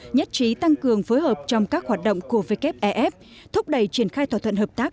nhất trí tăng cường phối hợp trong các hoạt động của wfef thúc đẩy triển khai thỏa thuận hợp tác